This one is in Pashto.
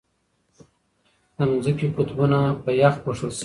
د ځمکې قطبونه په یخ پوښل شوي دي.